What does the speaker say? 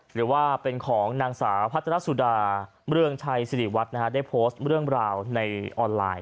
หรือว่าเป็นของนางสาวพัฒนสุดาเมืองชัยสิริวัฒน์ได้โพสต์เรื่องราวในออนไลน์